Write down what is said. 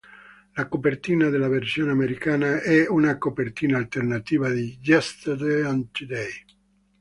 La copertina della versione americana è una copertina alternativa di "Yesterday and Today"